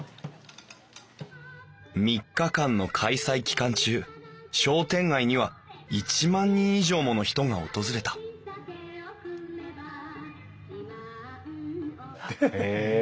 ３日間の開催期間中商店街には１万人以上もの人が訪れたへえ！